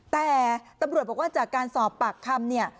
แต่ตำรวจบอกว่าจากการสอบปากคำเนี่ย